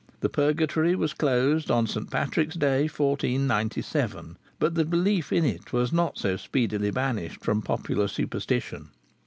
The Purgatory was closed on St. Patrick's Day, 1497; but the belief in it was not so speedily banished from popular superstition.